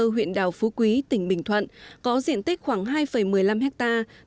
huyện đảo phú quý tỉnh bình thuận có diện tích khoảng hai một mươi năm hectare